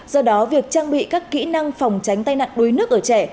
do đó việc trang bị các kỹ năng phòng tránh tai nạn đuối nước ở trẻ